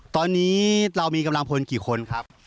ตอนนี้เรามีกำลังพลกี่คนครับ